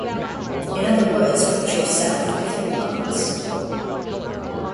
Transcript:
In other words, put yourself before others.